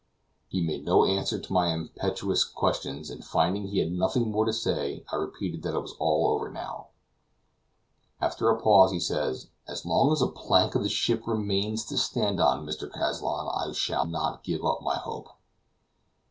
He made no answer to my impetuous questions, and finding he had nothing more to say, I repeated that it was all over now. After a pause, he said, "As long as a plank of the ship remains to stand on, Mr. Kazallon, I shall not give up my hope."